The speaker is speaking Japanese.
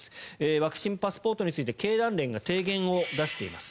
ワクチンパスポートについて経団連が提言を出しています。